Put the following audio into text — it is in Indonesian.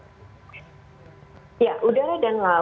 bagaimana aturan yang diterapkan untuk perjalanan udara dan laut